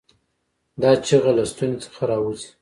دا چیغه له ستونې څخه راووځي.